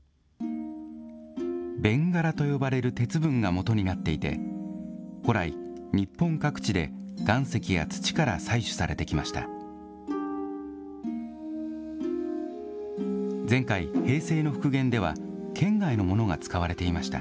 弁柄と呼ばれる鉄分がもとになっていて、古来、日本各地で岩石や土から採取されてきました。